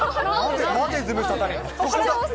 なぜズムサタに。